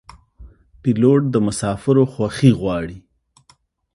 پیلوټ د مسافرو خوښي غواړي.